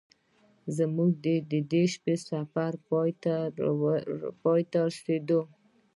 زموږ د دې شپې سفر پای ته ورسید.